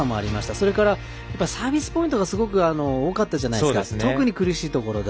それからサービスポイントがすごく多かったじゃないですか特に苦しいところで。